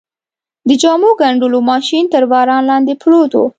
د جامو ګنډلو ماشین تر باران لاندې پروت و.